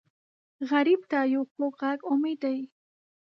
غریب ته یو خوږ غږ امید دی